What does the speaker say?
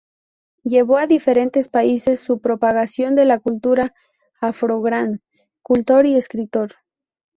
Llevó a diferentes países su propagación de la cultura afro gran cultor y escritor.